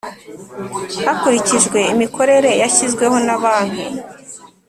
Hakurikijwe imikorere yashyizweho na Banki.